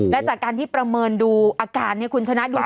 และจากการที่ประเมินดูอาการเนี่ยคุณชนะดู